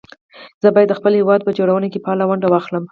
زه بايد د خپل هېواد په جوړونه کې فعاله ونډه واخلم